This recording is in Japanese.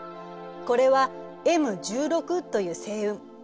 これはＭ１６という星雲。